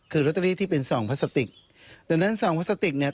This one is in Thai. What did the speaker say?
คือลอตเตอรี่ที่เป็นซองพลาสติกดังนั้นซองพลาสติกเนี่ย